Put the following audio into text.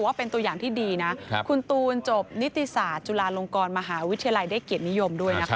ว่าเป็นตัวอย่างที่ดีนะคุณตูนจบนิติศาสตร์จุฬาลงกรมหาวิทยาลัยได้เกียรตินิยมด้วยนะคะ